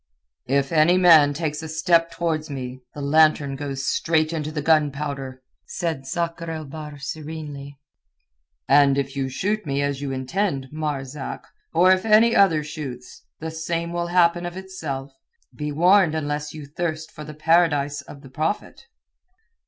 "If any man takes a step towards me, the lantern goes straight into the gunpowder," said Sakr el Bahr serenely. "And if you shoot me as you intend, Marzak, or if any other shoots, the same will happen of itself. Be warned unless you thirst for the Paradise of the Prophet."